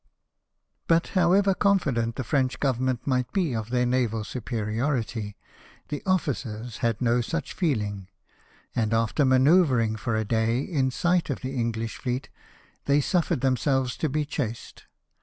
But however confident the French Government might be of their naval superiority, the officers had no such feeling ; and after manoeuvring for a day in sight of the English fleet, they suffered themselves to be chased.